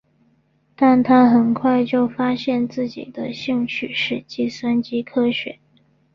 但他很快就发现自己的兴趣是计算机科学。